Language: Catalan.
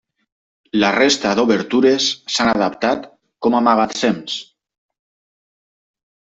La resta d'obertures s'han adaptat com a magatzems.